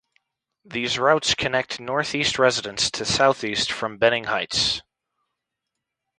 These routes connect Northeast residents to Southeast from Benning Heights.